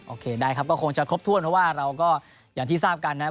โอเคได้ครับก็คงจะครบถ้วนเพราะว่าเราก็อย่างที่ทราบกันนะครับ